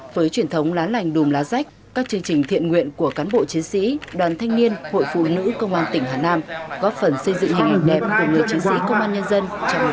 với truyền thống lá lành đùm lá rách các chương trình thiện nguyện của cán bộ chiến sĩ đoàn thanh niên hội phụ nữ công an tỉnh hà nam góp phần xây dựng hình hình đẹp của người chiến sĩ công an nhân dân trong lòng nhân dân